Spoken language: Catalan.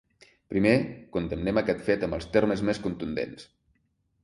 Primer, condemnem aquest fet amb els termes més contundents.